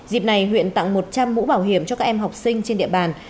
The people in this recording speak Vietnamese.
dịp này huyện tặng một trăm linh mũ bảo hiểm cho các em học sinh trên địa bàn